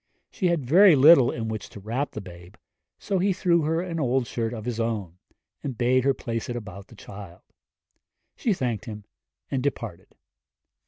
She had very little in which to wrap the babe, so he threw her an old shirt of his own, and bade her place it about the child. She thanked him and departed.